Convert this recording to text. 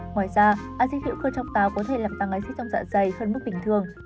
ngoài ra áp dịch hiệu cơ trong táo có thể làm tăng ánh sức trong dạng giày hơn mức bình thường